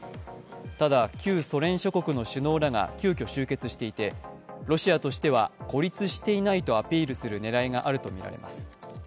ただ、旧ソ連諸国の首脳らが急きょ集結していて、ロシアとしては孤立していないとアピールする狙いがあるとみられます。